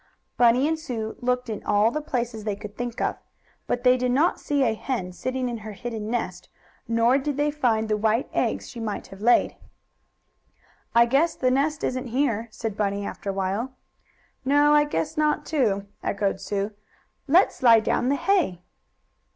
Bunny and Sue looked in all the places they could think of. But they did not see a hen sitting in her hidden nest, nor did they find the white eggs she might have laid. "I guess the nest isn't here," said Bunny after a while. "No, I guess not, too," echoed Sue. "Let's slide down the hay."